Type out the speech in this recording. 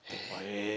へえ。